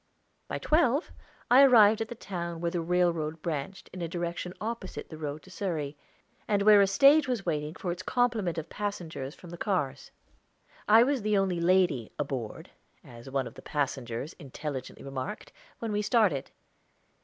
By twelve I arrived at the town where the railroad branched in a direction opposite the road to Surrey, and where a stage was waiting for its complement of passengers from the cars. I was the only lady "aboard," as one of the passengers intelligently remarked, when we started.